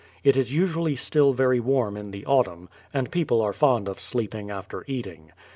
It is usually still very warm in the autumn, and people are fond of sleeping after eating.